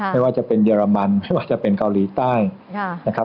ไม่ว่าจะเป็นเยอรมันไม่ว่าจะเป็นเกาหลีใต้นะครับ